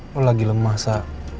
lo lagi lemah sa